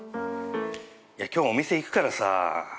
いや今日お店行くからさ。